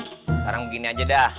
sekarang begini aja dah